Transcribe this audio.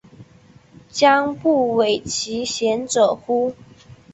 将不讳其嫌者乎？